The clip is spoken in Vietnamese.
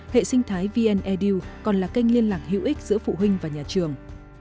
hệ sinh thái vn edu còn là kênh liên lạc hữu ích giữa phụ huynh và nhà trường